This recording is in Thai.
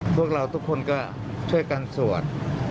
พวกเราทุกคนก็ช่วยกันสวด